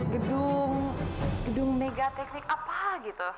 gedung gedung mega teknik apa gitu